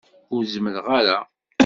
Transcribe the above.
Ur zemmreɣ ara.